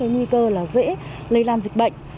nguy cơ là dễ lây lan dịch bệnh